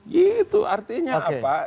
gitu artinya apa